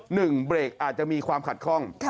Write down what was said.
หนึ่งเบรกอาจจะมีความขัดข้อง